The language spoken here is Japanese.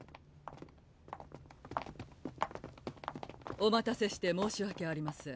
お待たせして申し訳ありません。